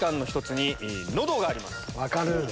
分かる。